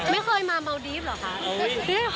ไม่เคยมาเมาดีฟเหรอคะ